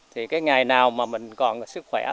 thì cái ngày nào mà mình còn sức khỏe